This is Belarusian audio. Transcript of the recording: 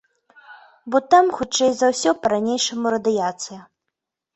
Бо там хутчэй за ўсё па-ранейшаму радыяцыя.